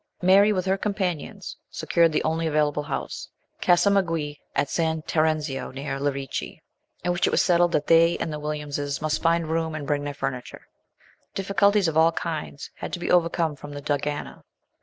Mary, with her companions, secured the only available house Casa Magui, at San Terenzio, near Lerici in which it was settled that they and the Williamses must find room and bring their furniture. Difficulties of all kinds had to be overcome from the dogana.